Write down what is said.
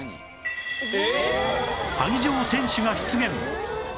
萩城天守が出現！